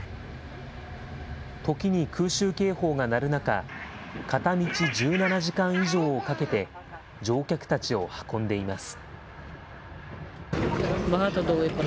時に空襲警報が鳴る中、片道１７時間以上をかけて、乗客たちを運んでいます。